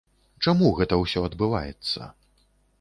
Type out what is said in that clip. Чаму гэта ўсё адбываецца?